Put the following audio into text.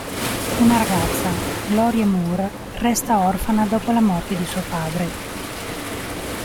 Una ragazza, Gloria Moore, resta orfana dopo la morte di suo padre.